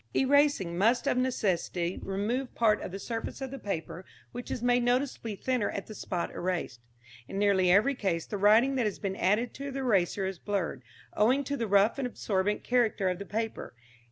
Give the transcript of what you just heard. Erasing must of necessity remove part of the surface of the paper which is made noticeably thinner at the spot erased. In nearly every case the writing that has been added to the erasure is blurred, owing to the rough and absorbent character of the paper.